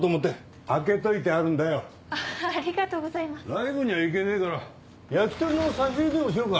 ライブには行けねえから焼き鳥の差し入れでもしようか？